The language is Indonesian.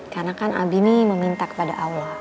karena kan abi ini meminta kepada allah